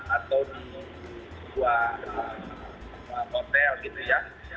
atau di sebuah hotel gitu ya